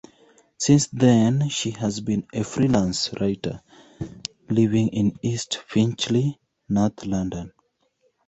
Since then she has been a freelance writer, living in East Finchley, north London.